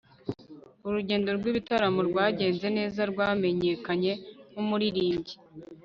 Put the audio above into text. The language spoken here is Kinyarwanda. urugendo rwibitaramo rwagenze neza rwamenyekanye nkumuririmbyi